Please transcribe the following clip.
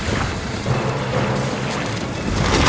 semoga dia tidak menemukan pelayan